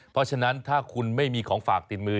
เพราะฉะนั้นถ้าคุณไม่มีของฝากติดมือ